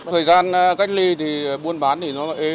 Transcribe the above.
thời gian cách ly thì buôn bán thì nó ế hơn đi rất nhiều